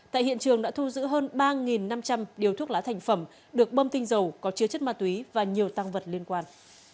tại hiện trường đã thu giữ hơn ba năm trăm linh điếu thuốc lá thành phẩm được bơm tinh dầu có chứa chất ma túy và nhiều tăng vật liên quan